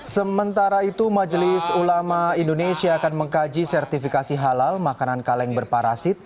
sementara itu majelis ulama indonesia akan mengkaji sertifikasi halal makanan kaleng berparasit